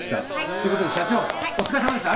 ということで社長お疲れさまでした。